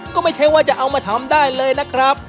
ก็ไม่ใช่ว่าจะเอามาทำได้เลยนะครับ